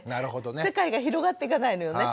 世界が広がっていかないのよね。